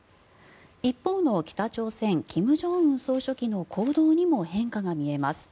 一方の北朝鮮金正恩総書記の行動にも変化が見えます。